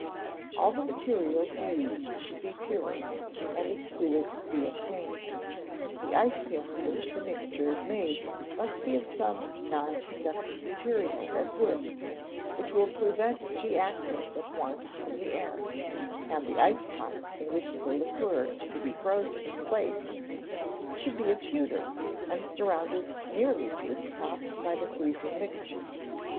All the materials used should be pure, and as cool as can be obtained. The ice pail in which the mixture is made must be of some non conducting material, as wood which will prevent the access of warmth from the air; and the ice pot, in which the liquor to be frozen is placed, should be of pewter, and surrounded nearly to its top by the freezing mixture.